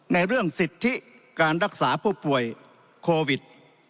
ในเรื่องสิทธิการรักษาผู้ป่วยโควิด